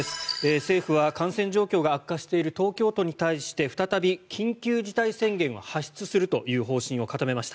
政府は感染状況が悪化している東京都に対して再び緊急事態宣言を発出するという方針を固めました。